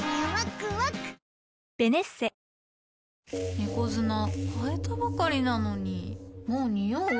猫砂替えたばかりなのにもうニオう？